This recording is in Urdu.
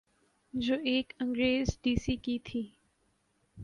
جو ایک انگریز ڈی سی کی تھی۔